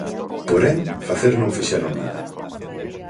Porén, facer non fixeron nada.